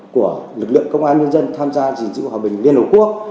của lực lượng công an nhân dân tham gia dình dữ hòa bình liên hợp quốc